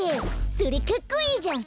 それかっこいいじゃん！